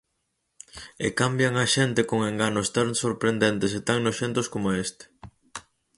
E cambian a xente con enganos tan sorprendentes e tan noxentos coma este.